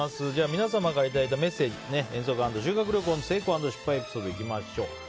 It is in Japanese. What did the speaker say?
皆様からいただいたメッセージ遠足＆修学旅行の成功＆失敗エピソードいきましょう。